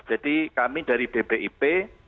jadi kami dari bpip